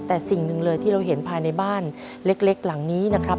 แต่สิ่งหนึ่งเลยที่เราเห็นภายในบ้านเล็กหลังนี้นะครับ